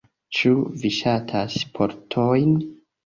Ĉu vi ŝatas sportojn?